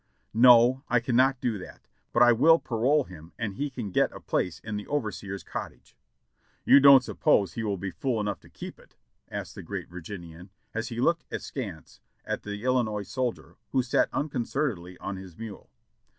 "No, I cannot do that, but I will parole him and he can get a place in the overseer's cottage." "You don't suppose he will be fool enough to keep it?" asked the great Virginian, as he looked askance at the Illinois soldier, who sat unconcernedly on his mule.